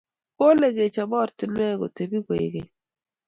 kole kechop oratinwek kotebi koek geny